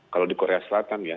kalau di korea selatan ya